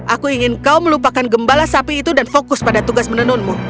aku ingin kau melupakan gembala sapi itu dan fokus pada tugas menenunmu